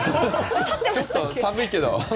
ちょっと寒いけど。